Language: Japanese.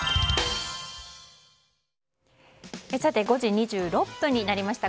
さて、５時２６分になりました。